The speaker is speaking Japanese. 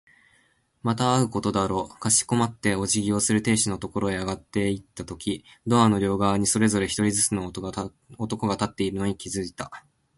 また会うことだろう。かしこまってお辞儀をする亭主のところへ上がっていったとき、ドアの両側にそれぞれ一人ずつの男が立っているのに気づいた。